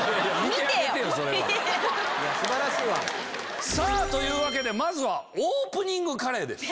見てあげてよ。というわけでまずはオープニングカレーです。